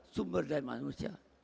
sumber dari manusia